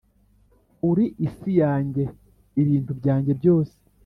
uri isi yanjye, ibintu byanjye byose,